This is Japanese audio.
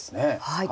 はい。